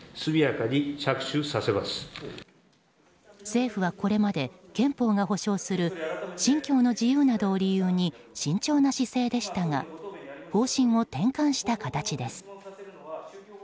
政府はこれまで憲法が保障する信教の自由などを理由に慎重な姿勢でしたが方針を転換した形です。